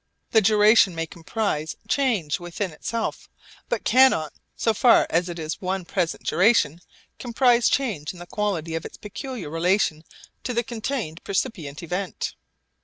The duration may comprise change within itself, but cannot so far as it is one present duration comprise change in the quality of its peculiar relation to the contained percipient event.